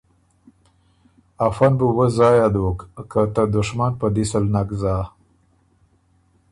افۀ ن بُو وۀ ضائع دوک که ته دُشمن په دِس ال نک زا